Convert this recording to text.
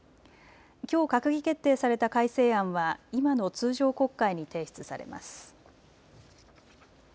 きょう閣議決定された改正案は今の通常国会に提出されます。